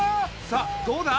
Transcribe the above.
さあどうだ？